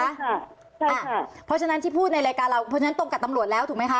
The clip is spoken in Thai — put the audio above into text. เพราะฉะนั้นที่พูดในรายการเราเพราะฉะนั้นตรงกับตำรวจแล้วถูกไหมคะ